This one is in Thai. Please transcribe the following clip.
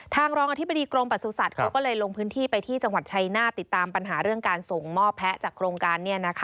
รองอธิบดีกรมประสุทธิ์เขาก็เลยลงพื้นที่ไปที่จังหวัดชัยหน้าติดตามปัญหาเรื่องการส่งมอบแพะจากโครงการ